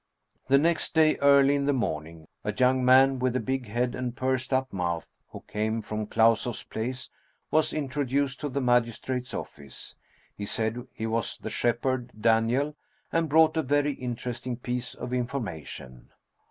The next day, early in the morning, a young man with a big head and a pursed up mouth, who came from Klau soff's place, was introduced to the magistrate's office. He said he was the shepherd Daniel, and brought a very in teresting piece of information.